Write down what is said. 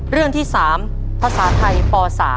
เรื่องที่๓ภาษาไทยป๓